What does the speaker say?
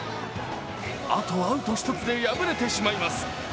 あとアウト１つで敗れてしまいます